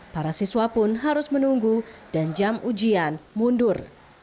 para siswa pun harus menunggu dan jam ujian mundur